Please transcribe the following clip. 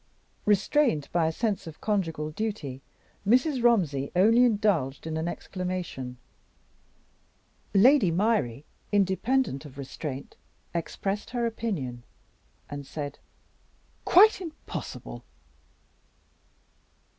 Restrained by a sense of conjugal duty, Mrs. Romsey only indulged in an exclamation. Lady Myrie, independent of restraint, expressed her opinion, and said: "Quite impossible!"